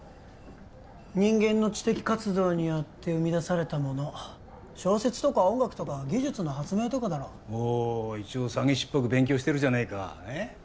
人間の知的活動によって生みだされたもの小説とか音楽とか技術の発明とかだろおお一応詐欺師っぽく勉強してるじゃねえかえっ？